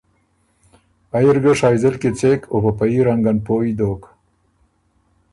ائ اِر ګه شائزل کیڅېک او په په يي رنګن پویٛ دوک